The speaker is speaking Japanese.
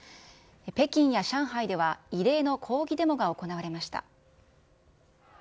北京や上海では異例の抗議デモが行われました。